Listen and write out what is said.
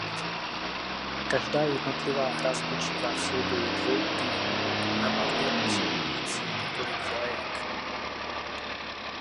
Každá jednotlivá hra spočívá v souboji dvou týmů na mapě obsahující několik "vlajek".